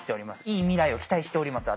いい未来を期待しております